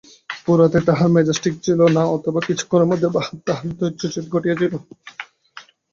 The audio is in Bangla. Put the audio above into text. গোড়াতেই তাঁহার মেজাজ ঠিক ছিল না, অথবা কিছুক্ষণের মধ্যেই বাহ্যত তাঁহার ধৈর্যচ্যুতি ঘটিয়াছিল।